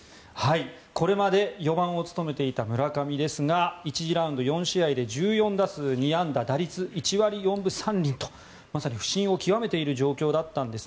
これまで、４番を務めていた村上ですが、１次ラウンド４試合で１４打数２安打打率１割４分３厘とまさに不振を極めている状況だったんです。